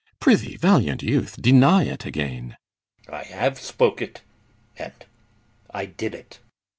Prithee, valiant youth, Deny't again. GUIDERIUS. I have spoke it, and I did it.